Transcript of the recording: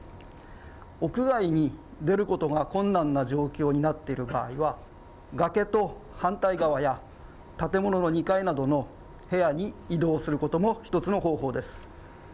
屋外に出ることが困難な状況になっている場合は、崖と反対側や、建物の２階などの部屋に移動することも一つの方法です。